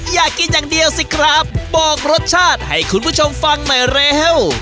อยากกินอย่างเดียวสิครับบอกรสชาติให้คุณผู้ชมฟังหน่อยเร็ว